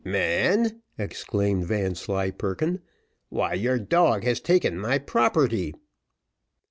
"Man!" exclaimed Vanslyperken; "why your dog has taken my property!"